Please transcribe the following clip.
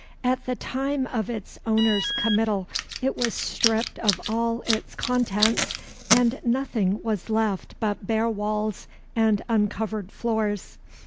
At the time of its owner's committal, it was stripped of all its contents, and nothing was left but bare walls and uncovered floors.